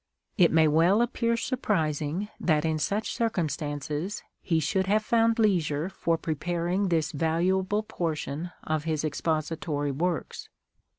It may well appear surprising that in such circumstances he should have found leisure for preparing this valuable portion of his Expository Works.